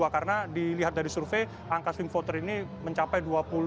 karena dilihat dari survei angka swing voters ini mencapai dua puluh